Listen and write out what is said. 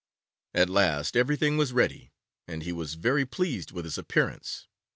At last everything was ready, and he was very pleased with his appearance.